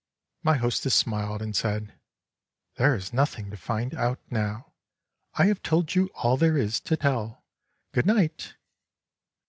My hostess smiled and said, "There is nothing to find out now; I have told you all there is to tell. Good night."